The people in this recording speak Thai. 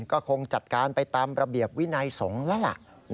ก็คงจัดการไปตามระเบียบวินัยสงฆ์แล้วล่ะ